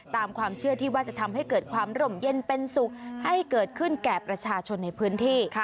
ตามความเชื่อที่ว่าจะทำให้เกิดความร่มเย็นเป็นสุขให้เกิดขึ้นแก่ประชาชนในพื้นที่